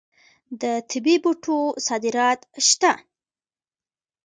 د طبي بوټو صادرات شته.